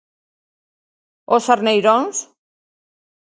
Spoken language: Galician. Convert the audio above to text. Os arneiróns?